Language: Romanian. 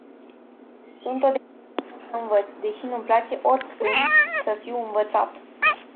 Sunt totdeauna gata să învăț, deși nu-mi place oricînd să fiu învățat.